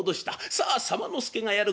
さあ左馬助がやる。